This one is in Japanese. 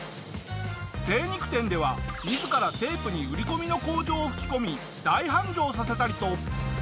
精肉店では自らテープに売り込みの口上を吹き込み大繁盛させたりと。